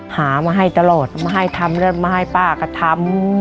หามาให้ตลอดมาให้ทำแล้วมาให้ป้าก็ทำ